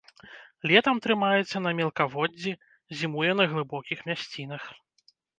Летам трымаецца на мелкаводдзі, зімуе на глыбокіх мясцінах.